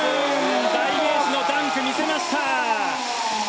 代名詞のダンクを見せました。